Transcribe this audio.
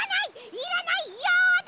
いらないよだ！